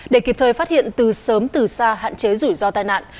để kịp thời phát hiện từ sớm từ xa hạn chế rủi ro tai nạn